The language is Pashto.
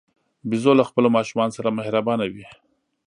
بیزو له خپلو ماشومانو سره مهربانه وي.